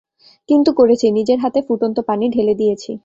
কিন্তু করেছি, নিজের হাতে ফুটন্ত পানি ঢেলে দিয়েছি।